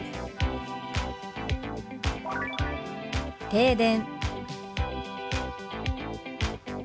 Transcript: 「停電」。